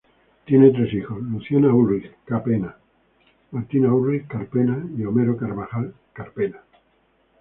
Tiene tres hijos: Luciana Ulrich Cárpena, Martina Ulrich Cárpena y Homero Carabajal Cárpena.